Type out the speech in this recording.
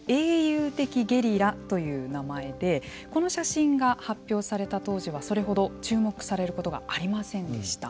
「英雄的ゲリラ」という名前でこの写真が発表された当時はそれほど注目されることがありませんでした。